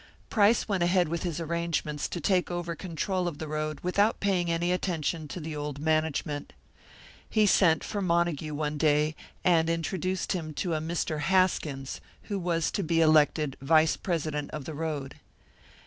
Price went ahead with his arrangements to take over the control of the road, without paying any attention to the old management. He sent for Montague one day, and introduced him to a Mr. Haskins, who was to be elected vice president of the road.